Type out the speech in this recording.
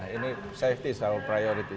ini safety selalu prioritas